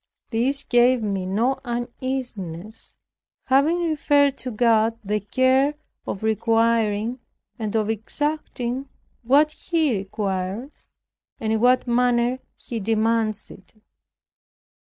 This gave me no uneasiness, having referred to God the care of requiring, and of exacting what He requires, and in whatever manner He demands it.